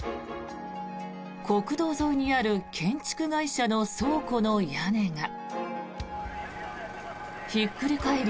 国道沿いにある建築会社の倉庫の屋根がひっくり返り